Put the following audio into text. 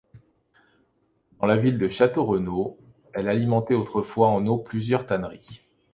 Dans la ville de Château-Renault, elle alimentait autrefois en eau plusieurs tanneries.